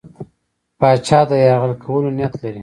پاچا د یرغل کولو نیت لري.